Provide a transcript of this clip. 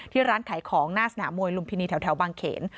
ร้านขายของหน้าสนามมวยลุมพินีแถวบางเขน